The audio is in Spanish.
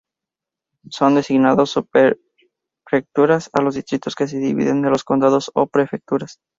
Son designados subprefecturas a los distritos que se dividen de los condados o prefecturas.